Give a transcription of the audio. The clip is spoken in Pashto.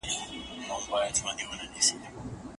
نو خوند ورکوي.